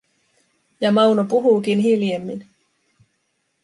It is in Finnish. Ja Mauno puhuukin hiljemmin.